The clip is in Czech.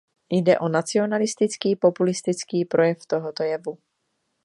Jde o nacionalistický populistický projev tohoto jevu.